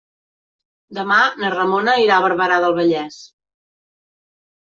Demà na Ramona irà a Barberà del Vallès.